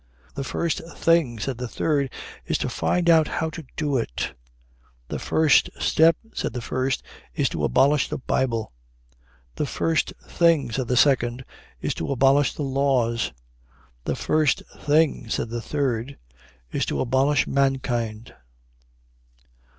"'The first thing,' said the third, 'is to find out how to do it.' "'The first step,' said the first, 'is to abolish the Bible.' "'The first thing,' said the second, 'is to abolish the laws.' '"The first thing,' said the third, 'is to abolish mankind.'"